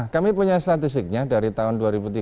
kami punya statistiknya dari tahun dua ribu tiga belas